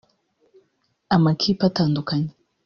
Amakipe atandukanye